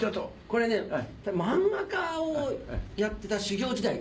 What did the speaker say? これ漫画家をやってた修業時代。